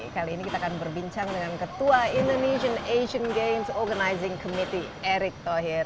kali ini kita akan berbincang dengan ketua indonesian asian games organizing committee erick thohir